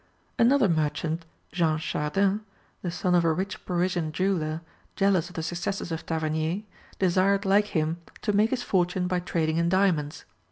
] Another merchant, Jean Chardin, the son of a rich Parisian jeweller, jealous of the successes of Tavernier, desired, like him, to make his fortune by trading in diamonds.